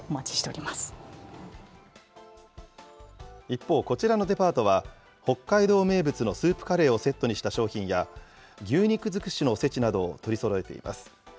一方、こちらのデパートは、北海道名物のスープカレーをセットにした商品や、牛肉尽くしのおせちなどを取りそろえています。